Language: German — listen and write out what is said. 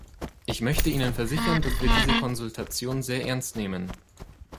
Ich möchte Ihnen versichern, dass wir diese Konsultation sehr ernst nehmen.